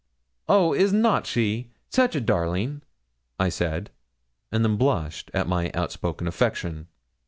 'Oh, is not she? such a darling!' I said, and then blushed at my outspoken affection.